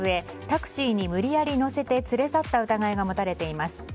タクシーに無理やり乗せて連れ去った疑いが持たれています。